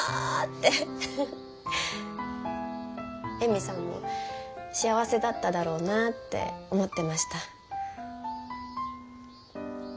恵美さんも幸せだっただろうなって思ってました。